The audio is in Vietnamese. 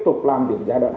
thì đó là về cái tài định sứ